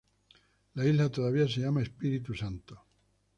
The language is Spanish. La isla todavía se llama Espíritu Santo.